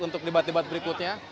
untuk debat debat berikutnya